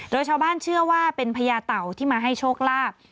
โดยชาวบ้านเชื่อว่าเป็นพญาเต่าที่มาให้โชคลาภ